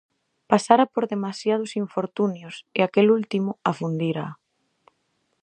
Pasara por demasiados infortunios, e aquel último afundíraa.